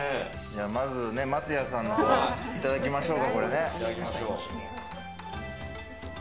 まずは松也さんのいただきましょう。